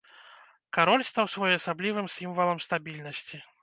Кароль стаў своеасаблівым сімвалам стабільнасці.